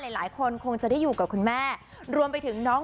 หลายคนคงจะได้อยู่กับคุณแม่รวมไปถึงน้อง